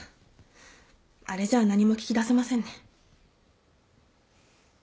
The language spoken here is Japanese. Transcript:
あれじゃ何も聞き出せませんね。